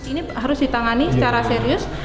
ini harus ditangani secara serius